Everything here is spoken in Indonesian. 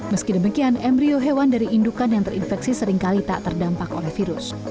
meski demikian embryo hewan dari indukan yang terinfeksi seringkali tak terdampak oleh virus